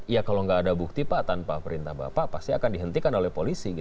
ya kalau nggak ada bukti pak tanpa perintah bapak pasti akan dihentikan oleh polisi